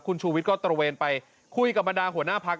คุณชูวิทย์ก็ตระเวนไปคุยกับบรรดาหัวหน้าพัก